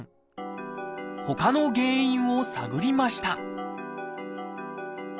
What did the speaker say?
ほかの原因を探りました